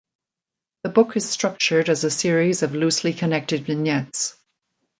The book is structured as a series of loosely connected vignettes.